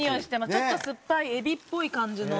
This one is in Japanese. ちょっと酸っぱい海老っぽい感じの。